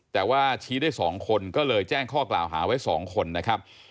แต่ว่าชี้ได้๒คนก็เลยแจ้งข้อกล่าวหาไว้๒คนนะครับ